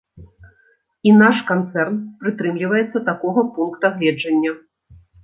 І наш канцэрн прытрымліваецца такога пункта гледжання.